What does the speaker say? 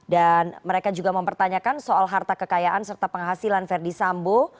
dan mereka juga mempertanyakan soal harta kekayaan serta penghasilan berdisambu